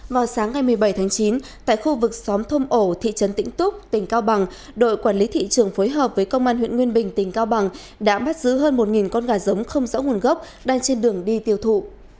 vào sáng ngày một mươi bảy tháng chín tại khu vực xóm thôm ổ thị trấn tĩnh túc tỉnh cao bằng đội quản lý thị trường phối hợp với công an huyện nguyên bình tỉnh cao bằng đã bắt giữ hơn một con gà giống không rõ nguồn gốc đang trên đường đi tiêu thụ